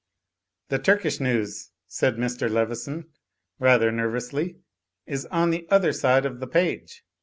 "The Turkish news," said Mr. Leveson, rather nervously, "is on the other side' of the page."